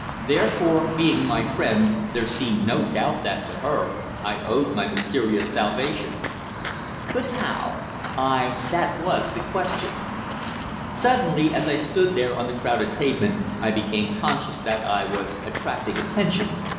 Therefore, being my friend, there seemed no doubt that, to her, I owed my mysterious salvation. But how? Aye, that was the question. Suddenly, as I stood there on the crowded pavement, I became conscious that I was attracting attention.